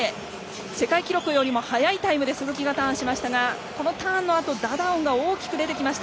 世界記録よりも速いタイムで鈴木がきましたがこのターンのあとダダオンが大きく出てきました。